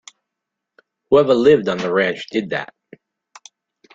Whoever lived on the ranch did that.